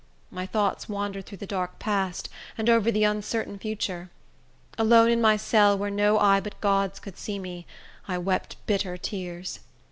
My thoughts wandered through the dark past, and over the uncertain future. Alone in my cell, where no eye but God's could see me, I wept bitter tears.